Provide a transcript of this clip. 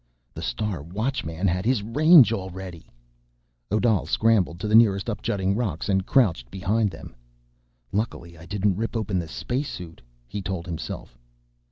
The Star Watchman had his range already! Odal scrambled to the nearest upjutting rocks and crouched behind them. Lucky I didn't rip open the spacesuit, he told himself.